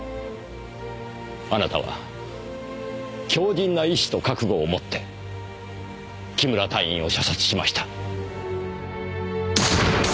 あなたは強靭な意志と覚悟を持って木村隊員を射殺しました。